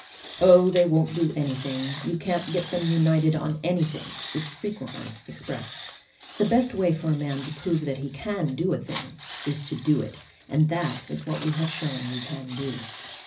"Oh, they won't do anything; you can't get them united on anything!" is frequently expressed. The best way for a man to prove that he can do a thing is to do it, and that is what we have shown we can do.